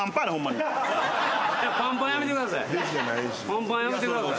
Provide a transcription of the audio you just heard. パンパンやめてください。